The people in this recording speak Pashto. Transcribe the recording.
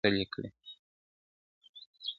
وڅڅوي اوښکي اور تر تلي کړي ,